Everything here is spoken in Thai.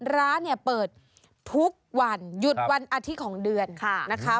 ร้านเนี่ยเปิดทุกวันหยุดวันอาทิตย์ของเดือนนะคะ